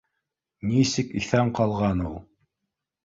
Нисек иҫән ҡалған ул